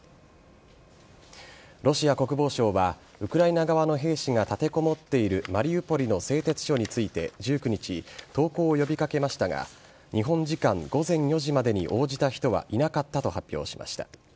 ロシア国防省はウクライナ側の兵士が立てこもっているマリウポリの製鉄所について１９日投降を呼び掛けましたが日本時間午前４時までに応じた人はいなかったと発表しました。